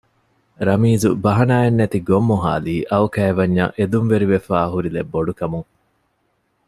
ރަމީޒު ބަހަނާއެއް ނެތި ގޮށް މޮހައިލީ އައު ކައިވެންޏަށް އެދުންވެރިވެފައި ހުރިލެއް ބޮޑުކަމުން